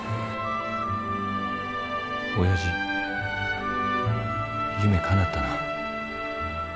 おやじ夢かなったな。